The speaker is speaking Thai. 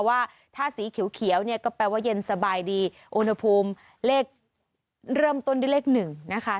ว่าถ้าสีเขียวเนี่ยก็แปลว่าเย็นสบายดีอุณหภูมิเลขเริ่มต้นด้วยเลขหนึ่งนะคะ